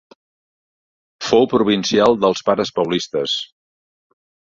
Fou provincial dels Pares Paulistes.